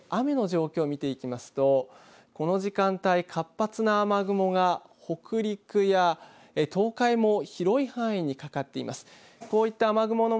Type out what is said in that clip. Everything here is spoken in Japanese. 加えて雨の状況を見ていきますとこの時間帯、活発な雨雲が北陸や東海も広い範囲にかかっています。